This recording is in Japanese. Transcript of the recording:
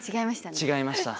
違いました。